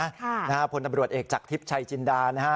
ค่ะนะฮะพลตำรวจเอกจากทิพย์ชัยจินดานะฮะ